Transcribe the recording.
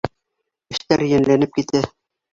Эштәр йәнләнеп китә.